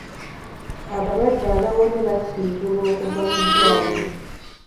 Abalwadde abawonye basiibulwa okuva mu ddwaliro.